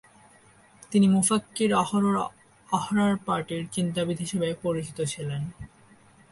তিনি মুফাক্কির-ই-আহরর "আহরার পার্টির চিন্তাবিদ" হিসাবে পরিচিত ছিলেন।